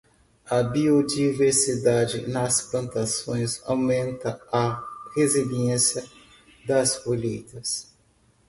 A biodiversidade nas plantações aumenta a resiliência das colheitas.